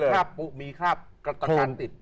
มีภาพปุ๊บมีภาพกระตะกันติด